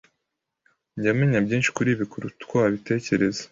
Njya menya byinshi kuri ibi kuruta uko wabitekereza.